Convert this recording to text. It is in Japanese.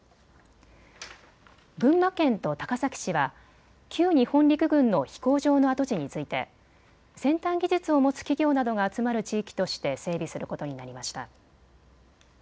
群馬県と高崎市は旧日本陸軍の飛行場の跡地について先端技術を持つ企業などが集まる地域として整備することになりました。